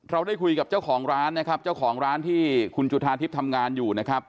เราได้คุยกับเจ้าของร้านที่จุฐาทิพย์ทำงานอยู่นะครับ